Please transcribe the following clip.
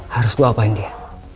harus gue apain dia